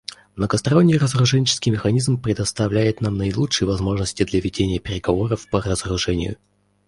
Многосторонний разоруженческий механизм предоставляет нам наилучшие возможности для ведения переговоров по разоружению.